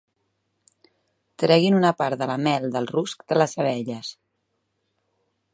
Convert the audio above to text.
Treguin una part de la mel del rusc de les abelles.